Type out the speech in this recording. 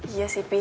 iya sih pih